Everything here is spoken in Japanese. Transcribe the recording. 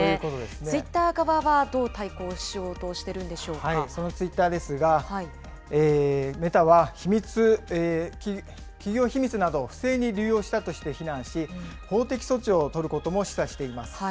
ツイッター側はどう対抗しよそのツイッターですが、メタは企業秘密などを不正に流用したとして非難し、法的措置を取ることも示唆しています。